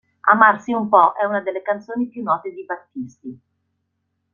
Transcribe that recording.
Amarsi un po' è una delle canzoni più note di Battisti.